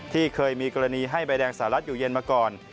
ที่เคยมีกรณีให้ใบแดงสหรัฐอยู่เย็นมาก่อน